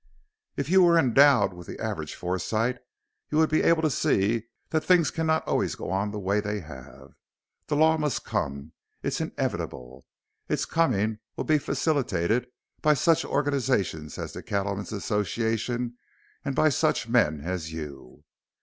"If you were endowed with the average foresight you would be able to see that things cannot always go on the way they have. The law must come. It is inevitable. Its coming will be facilitated by such organizations as the Cattlemen's Association and by such men as you.